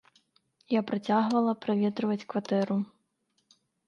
Я працягвала праветрываць кватэру.